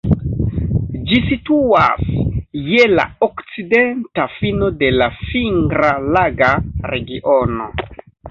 Ĝi situas je la okcidenta fino de la Fingra-Laga Regiono.